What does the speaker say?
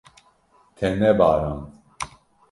Te nebarand.